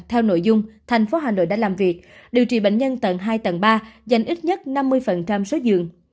theo nội dung thành phố hà nội đã làm việc điều trị bệnh nhân tầng hai tầng ba dành ít nhất năm mươi số giường